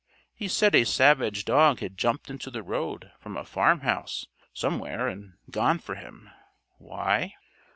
He said a savage dog had jumped into the road from a farmhouse somewhere and gone for him. Why?"